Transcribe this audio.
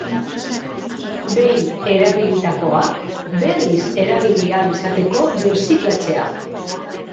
Behin erabilitakoa berriz erabili ahal izateko birziklatzea.